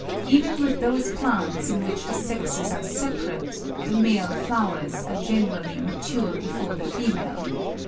(6. Even with those plants in which the sexes are separate, the male flowers are generally mature before the female.